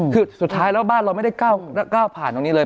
คือสุดท้ายแล้วบ้านเราไม่ได้ก้าวผ่านตรงนี้เลย